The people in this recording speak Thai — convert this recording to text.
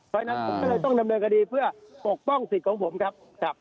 เพราะฉะนั้นผมก็เลยต้องดำเนินคดีเพื่อปกป้องสิทธิ์ของผมครับ